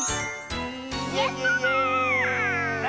やった！